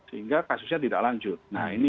sehingga kasusnya tidak lanjut